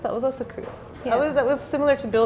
itu juga seperti membangun